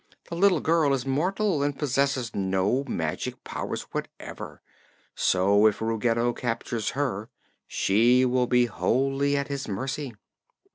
The little girl is mortal and possesses no magic powers whatever, so if Ruggedo captures her she will be wholly at his mercy."